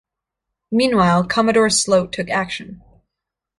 Meanwhile, Commodore Sloat took action.